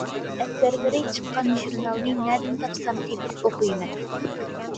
ئەسەرلىرى چىققان ژۇرنالنى نەدىن تاپسام تېپىپ ئوقۇيمەن.